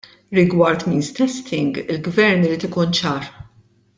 Rigward means testing, il-Gvern irid ikun ċar.